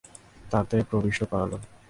তাতে প্রবিষ্ট করাল।